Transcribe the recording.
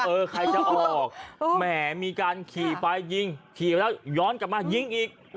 ใครจะออกแหมมีการขี่ไปยิงขี่ไปแล้วย้อนกลับมายิงอีก